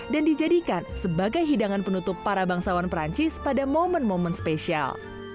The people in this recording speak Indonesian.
dan dijadikan sebagai hidangan penutup para bangsawan perancis pada momen momen spesial